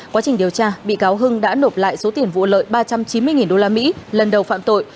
quá trình điều tra bị cáo hưng đã nộp lại số tiền vụ lợi ba trăm chín mươi usd lần đầu phạm tội